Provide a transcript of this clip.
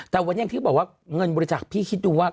แต่วันนี้ที่บอกว่าเงินบริจักษ์พี่คิดดูว่า